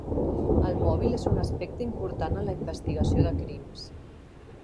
El mòbil és un aspecte important en la investigació de crims.